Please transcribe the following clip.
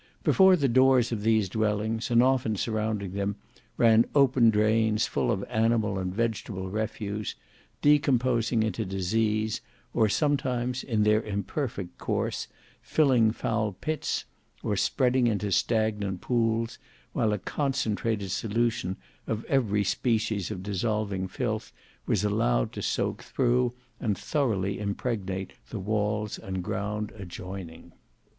Before the doors of these dwellings, and often surrounding them, ran open drains full of animal and vegetable refuse, decomposing into disease, or sometimes in their imperfect course filling foul pits or spreading into stagnant pools, while a concentrated solution of every species of dissolving filth was allowed to soak through and thoroughly impregnate the walls and ground adjoining.